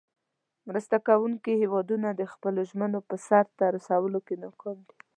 مرسته کوونکې هیوادونه د خپلو ژمنو په سر ته رسولو کې ناکام دي.